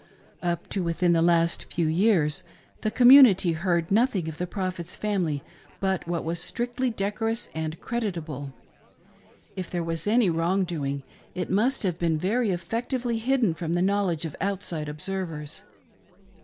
Up to . within the last few years the community heard nothing of the Prophet's family but what was strictly decorous and creditable. If there was any wrong doing ,it must have been very effectually hidden from the knowledge of outside observers.